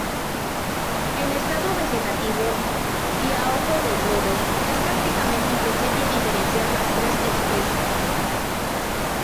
En estado vegetativo, y a ojo desnudo, es prácticamente imposible diferenciar las tres especies.